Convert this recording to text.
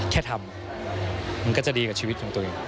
แค่ทำมันก็จะดีกับชีวิตของตัวเอง